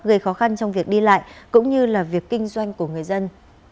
gây khó khăn trong việc đi lại cũng như là việc kinh doanh của người dân